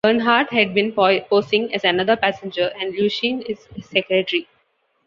Bernhardt had been posing as another passenger, and Lucienne is his secretary.